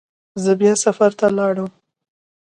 زه بیا سفر ته لاړم.